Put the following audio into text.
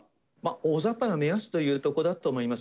大ざっぱな目安というところだと思います。